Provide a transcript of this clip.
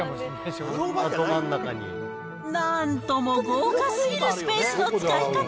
なんとも豪華すぎるスペースの使い方。